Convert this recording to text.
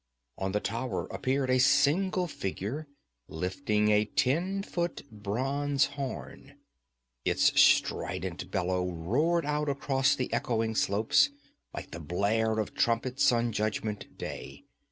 On the tower appeared a single figure, lifting a ten foot bronze horn. Its strident bellow roared out across the echoing slopes, like the blare of trumpets on Judgment Day.